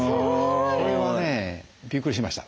それはねびっくりしました。